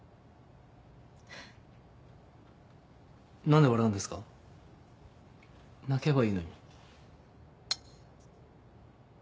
何で笑うんですか泣けばいいのに。